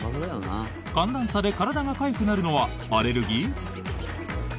寒暖差で体がかゆくなるのはアレルギー？